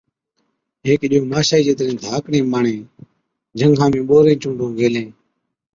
هيڪ ڏِيئو ماشائِي جِترين ڌاڪڙين ٻاڙين، جھنگا ۾ ٻورين چُونڊُون گيلين۔